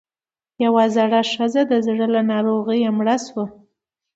يوه زړه ښځۀ د زړۀ له ناروغۍ مړه شوه